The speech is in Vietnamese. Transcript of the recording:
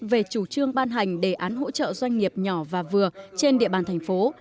về chủ trương ban hành đề án hỗ trợ doanh nghiệp nhỏ và vừa trên địa bàn thành phố